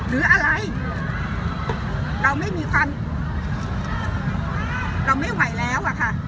หรืออะไรเราไม่มีความเราไม่ไหวแล้วอะค่ะ